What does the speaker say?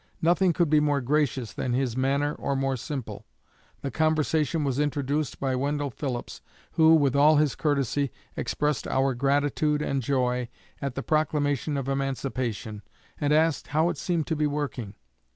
Nothing could be more gracious than his manner, or more simple. The conversation was introduced by Wendell Phillips, who, with all his courtesy, expressed our gratitude and joy at the Proclamation of Emancipation, and asked how it seemed to be working.